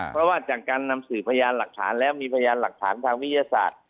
เพราะว่าจากการนำสื่อพยานหลักฐานแล้วมีพยานหลักฐานทางวิทยาศาสตร์